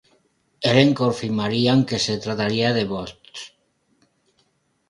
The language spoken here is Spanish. Helen confirmarían que se trataría de Booth.